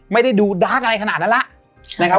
ไม่ได้ดูดาร์กอะไรขนาดนั้นละ